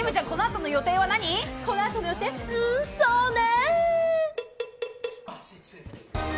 この後の予定はそうね。